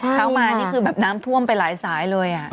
หนั่วมากเข้ามานี่คือน้ำท่วมไปหลายสายเลย